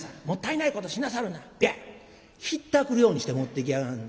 もったいないことしなさるな』ビャッひったくるようにして持ってきやがる。